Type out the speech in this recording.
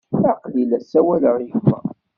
Aql-i la sawaleɣ i gma.